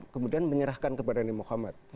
kemudian menyerahkan kepadanya muhammad